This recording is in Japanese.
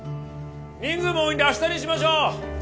人数も多いんであしたにしましょう！